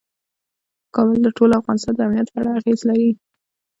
کابل د ټول افغانستان د امنیت په اړه اغېز لري.